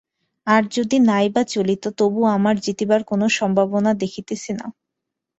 আর যদিই বা না চলিত, তবু আমার জিতিবার কোনো সম্ভাবনা দেখিতেছি না।